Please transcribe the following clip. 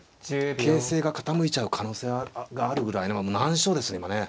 形勢が傾いちゃう可能性があるぐらいの難所ですね今ね。